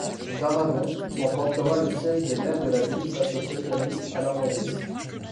Daragon remportera le siège de maire de la ville face au socialiste Alain Maurice.